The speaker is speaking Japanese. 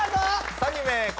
３人目昴